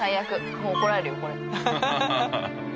もう怒られるよこれ。